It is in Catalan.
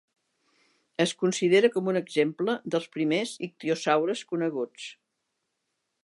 Es considera com un exemple dels primers ictiosaures coneguts.